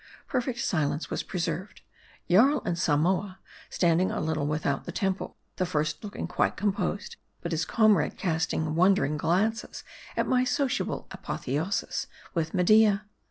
Perfect silence was preserved : Jarl and Samoa standing a little without the temple ; the first looking quite composed, but his comrade casting won dering glances at my sociable apotheosis with Media.